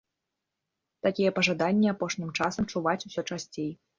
Такія пажаданні апошнім часам чуваць усё часцей.